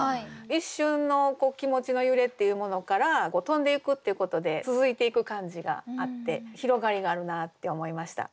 一瞬の気持ちの揺れっていうものから「飛んでゆく」っていうことで続いていく感じがあって広がりがあるなって思いました。